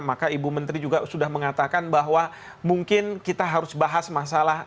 maka ibu menteri juga sudah mengatakan bahwa mungkin kita harus bahas masalah